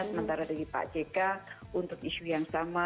sementara dari pak jk untuk isu yang sama